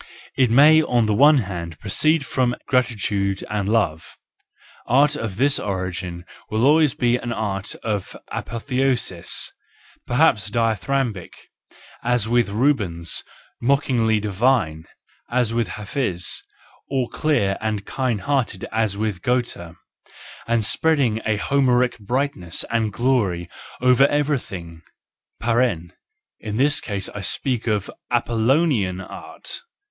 It may on the one hand proceed from gratitude and love:—art of this origin will always of a P°theosis, perhaps dithyrambic, as with Rubens, mocking divinely, as with Hafiz or clear and kind hearted as with Goethe, and spread mg a Homeric brightness and glory over every mg (in this case I speak of Apollonian art).